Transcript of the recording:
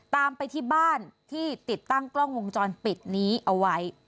ตามไปที่บ้านที่ติดตั้งกล้องวงจรปิดนี้เอาไว้